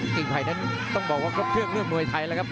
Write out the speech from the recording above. กิ่งไผ่นั้นต้องบอกว่าครบเครื่องเรื่องมวยไทยแล้วครับ